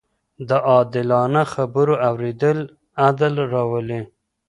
د عادلانه خبرو اورېدل عدل راولي